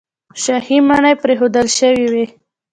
شاهي ماڼۍ پرېښودل شوې وې.